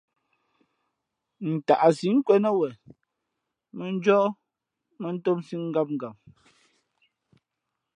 Ntaʼsí nkwēn nά wen mᾱnjóh mᾱntōmsī ngǎmngam.